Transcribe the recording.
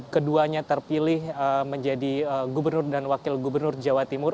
keduanya terpilih menjadi gubernur dan wakil gubernur jawa timur